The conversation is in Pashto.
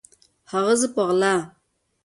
هغه زه په غلا